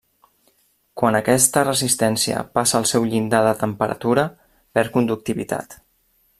Quan aquesta resistència passa el seu llindar de temperatura perd conductivitat.